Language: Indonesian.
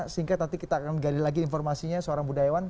sehingga nanti kita akan gali lagi informasinya seorang budayawan